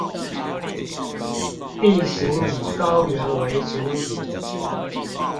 地形以高原為主體